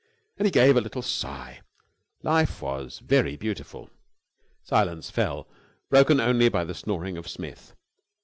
And he gave a little sigh. Life was very beautiful. Silence fell, broken only by the snoring of Smith.